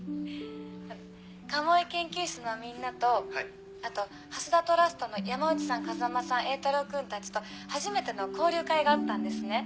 鴨居研究室のみんなとあと蓮田トラストの山内さん風間さん榮太郎君たちと初めての交流会があったんですね。